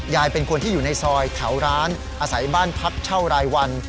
ยายเป็นคนที่อยู่ในซอยแถวร้านอาศัยบ้านพักเช่ารายวัน